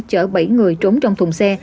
chở bảy người trốn trong thùng xe